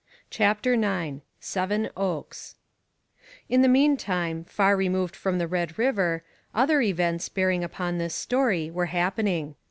CHAPTER IX SEVEN OAKS In the meantime, far removed from the Red River, other events bearing upon this story were happening.